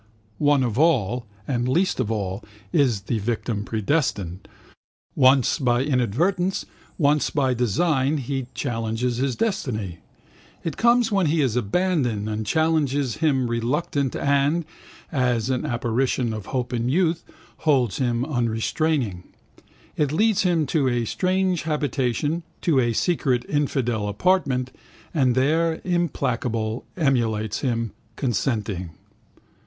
One of all, the least of all, is the victim predestined. Once by inadvertence twice by design he challenges his destiny. It comes when he is abandoned and challenges him reluctant and, as an apparition of hope and youth, holds him unresisting. It leads him to a strange habitation, to a secret infidel apartment, and there, implacable, immolates him, consenting.